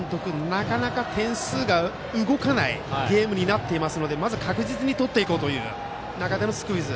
なかなか点数が動かないゲームになっていますのでまず確実に取っていこうという中でのスクイズ。